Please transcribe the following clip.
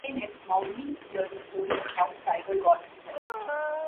In it, Mowgli hears the story of how the tiger got his stripes.